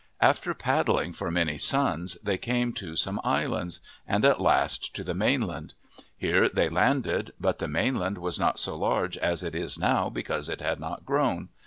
After paddling for many suns, they came to some 105 MYTHS AND LEGENDS islands, and at last to the mainland. Here they landed, but the mainland was not so large as it is now because it had not grown.